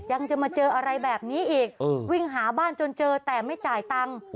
ยังจะมาเจออะไรแบบนี้อีกวิ่งหาบ้านจนเจอแต่ไม่จ่ายตังค์